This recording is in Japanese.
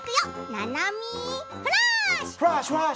「ななみフラッシュ！」。